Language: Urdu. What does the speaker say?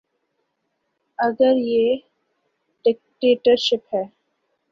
اگر یہ ڈکٹیٹرشپ ہے۔